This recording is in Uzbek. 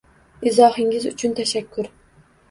Izohingiz uchun tashakkur.